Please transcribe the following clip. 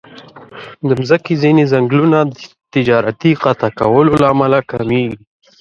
د مځکې ځینې ځنګلونه د تجارتي قطع کولو له امله کمېږي.